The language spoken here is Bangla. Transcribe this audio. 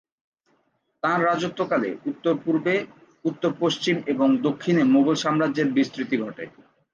তাঁর রাজত্বকালে উত্তর-পূর্ব, উত্তর-পশ্চিম এবং দক্ষিণে মুগল সাম্রাজ্যের বিস্তৃতি ঘটে।